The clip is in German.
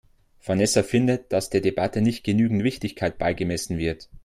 Vanessa findet, dass der Debatte nicht genügend Wichtigkeit beigemessen wird.